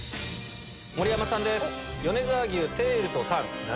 盛山さんです。